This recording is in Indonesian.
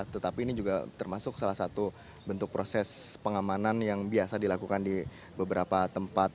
tetapi ini juga termasuk salah satu bentuk proses pengamanan yang biasa dilakukan di beberapa tempat